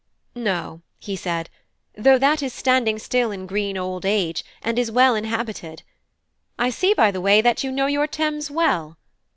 "No," he said, "though that is standing still in green old age, and is well inhabited. I see, by the way, that you know your Thames well.